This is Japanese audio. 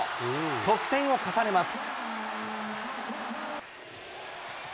得点を重ねます。